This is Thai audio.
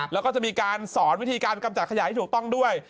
แล้วก็จะมีการสอนวิธีการกำจัดขยะให้ถูกต้องด้วย